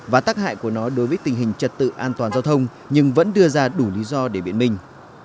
và tác hại của nó đối với tình hình trật tự an toàn giao thông nhưng vẫn đưa ra đủ lý do để biện minh